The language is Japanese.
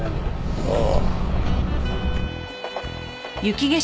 ああ。